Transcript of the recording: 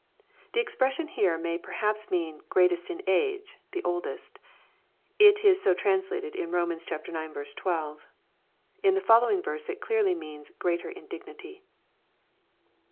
] This expression here may perhaps mean " greatest in age," the oldest It is so translated in Rom. ix. 12, In the following verse it clearly means " greater in dignity."